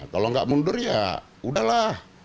kalau nggak mundur ya udahlah